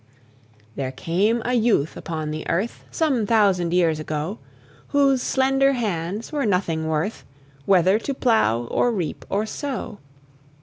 (1819 91.) There came a youth upon the earth, Some thousand years ago, Whose slender hands were nothing worth, Whether to plow, or reap, or sow.